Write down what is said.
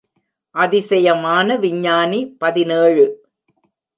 அதிசயமான விஞ்ஞானி பதினேழு .